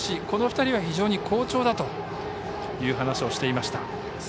この２人は非常に好調だと話をしていました。